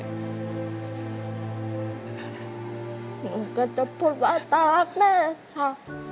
ผมก็จะพูดว่าตานแม่ค่ะ